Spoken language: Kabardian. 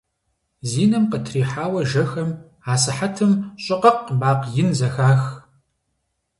Зи нэм къытрихьауэ жэхэм асыхьэтым «щӀы-къыкъ!..» макъ ин зэхах.